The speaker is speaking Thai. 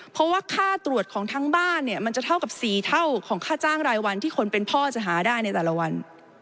เพราะว่าค่าตรวจของทั้งบ้านเนี่ยมันจะเท่ากับ๔เท่าของค่าจ้างรายวันที่คนเป็นพ่อจะหาได้ในแต่ละวัน